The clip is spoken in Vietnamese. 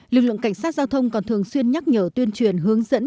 lực lượng cảnh sát giao thông còn thường xuyên nhắc nhở tuyên truyền hướng dẫn